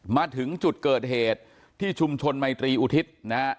มาถึงจุดเกิดเหตุที่ชุมชนไมตรีอุทิศนะฮะ